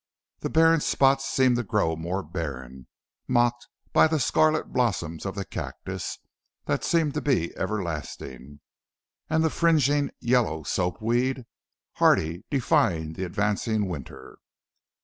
The barren spots seemed to grow more barren mocked by the scarlet blossoms of the cactus that seemed to be everlasting, and the fringing, yellow soap weed, hardy, defying the advancing winter.